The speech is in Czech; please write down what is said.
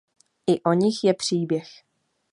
I o nich je příběh.